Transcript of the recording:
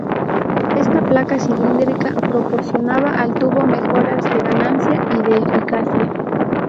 Esta placa cilíndrica proporcionaba al tubo mejoras de ganancia y de eficacia.